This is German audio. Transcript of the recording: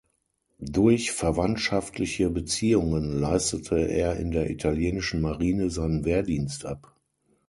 Durch verwandtschaftliche Beziehungen leistete er in der italienischen Marine seinen Wehrdienst ab.